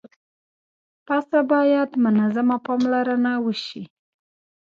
پسه باید منظمه پاملرنه وشي.